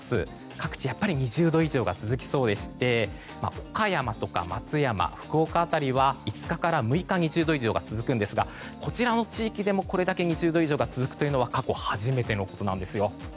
各地２０度以上が続きそうでして岡山とか松山、福岡辺りは５日から６日２０度以上が続くんですがこちらの地域でもこれだけ２０度以上が続くのは過去初めてのことなんですよ。